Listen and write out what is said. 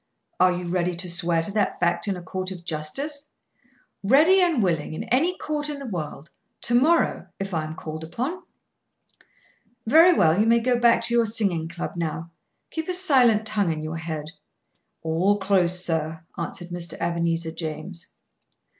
"Are you ready to swear to that fact in a court of justice?" "Ready and willing, in any court in the world. To morrow, if I am called upon." "Very well. You may go back to your singing club now. Keep a silent tongue in your head." "All close, sir," answered Mr. Ebenezer James.